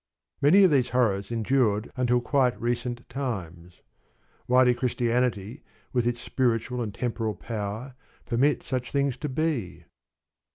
Many of these horrors endured until quite recent times. Why did Christianity with its spiritual and temporal power, permit such things to be?